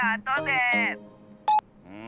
うん！